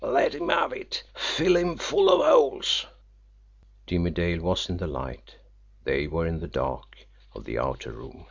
Let him have it! Fill him full of holes!" Jimmie Dale was in the light they were in the dark of the outer room.